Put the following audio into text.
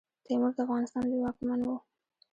تیمور د افغانستان لوی واکمن وو.